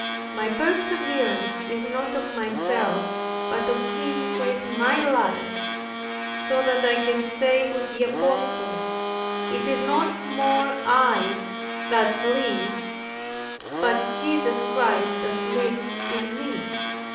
My perseverance is not of myself, but of Him who is my life; so that I can say with the apostle, "It is no more I that live, but Jesus Christ that liveth in me."